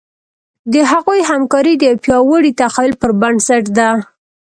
د هغوی همکاري د یوه پیاوړي تخیل پر بنسټ ده.